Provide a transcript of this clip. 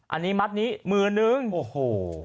อันนี้มัดนี้มือนึงโอ้โห